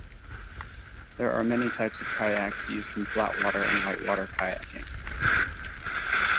There are many types of kayaks used in flat water and white water kayaking.